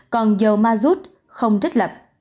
còn dầu mazut không trích lập